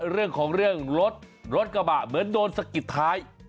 เรื่องของเรื่องรถรถกระบะเหมือนโดนสะกิดท้าย